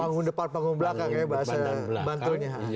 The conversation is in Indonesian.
panggung depan panggung belakang ya bahasa bantunya